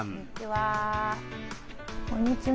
こんにちは。